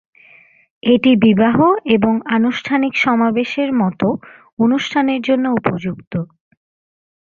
এটি বিবাহ এবং আনুষ্ঠানিক সমাবেশের মতো অনুষ্ঠানের জন্য উপযুক্ত।